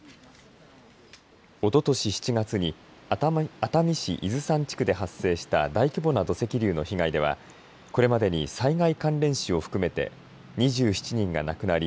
おととし７月に熱海市伊豆山地区で発生した大規模な土石流の被害ではこれまでに災害関連死を含めて２７人が亡くなり